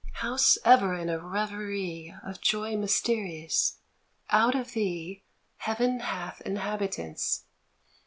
House ever in a reverie Of joy mysterious, out of thee Heaven hath inhabitants.